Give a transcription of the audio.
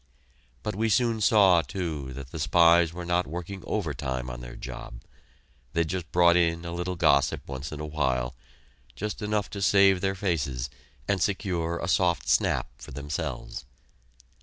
But we soon saw, too, that the spies were not working overtime on their job; they just brought in a little gossip once in a while just enough to save their faces and secure a soft snap for themselves.